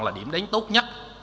là điểm đánh tốt nhất